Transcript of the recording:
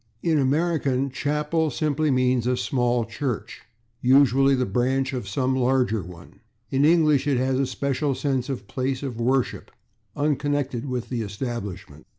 In American /chapel/ simply means a small church, usually the branch of some larger one; in English it has the special sense of a place of worship unconnected with the establishment.